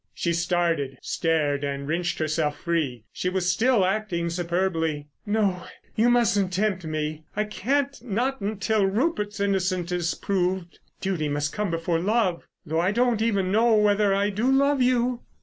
She started, stared, and wrenched herself free. She was still acting superbly. "No—you mustn't tempt me. I can't—not until Rupert's innocence is proved.... Duty must come before love—though I don't even know whether I do love you."